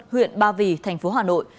huyện ba vì tp hà nội